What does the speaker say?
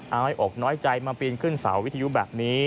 เอาให้อกน้อยใจมาปีนขึ้นเสาวิทยุแบบนี้